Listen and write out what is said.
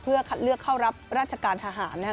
เพื่อคัดเลือกเข้ารับราชการทหารนะค่ะ